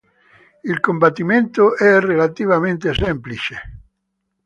Il combattimento è relativamente semplice.